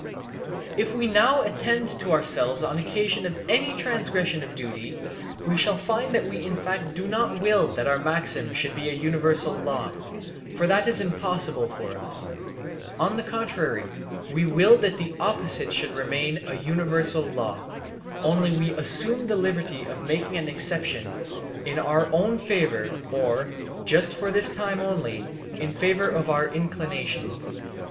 If now we attend to ourselves on occasion of any transgression of duty, we shall find that we in fact do not will that our maxim should be a universal law, for that is impossible for us; on the contrary, we will that the opposite should remain a universal law, only we assume the liberty of making an exception in our own favour or (just for this time only) in favour of our inclination.